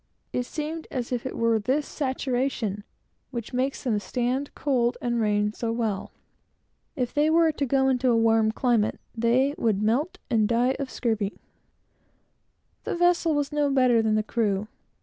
It seems as if it were this saturation which makes them stand cold and rain so well. If they were to go into a warm climate, they would all die of the scurvy. The vessel was no better than the crew.